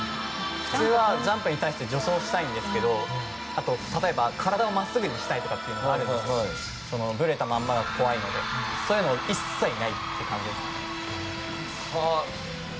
普通は、ジャンプに対して助走したいんですけど例えば体を真っすぐにしたりとかはぶれたまんまが怖いのでそういうの一切ない感じですね。